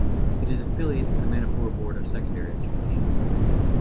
It is affiliated to the Manipur Board of Secondary Education.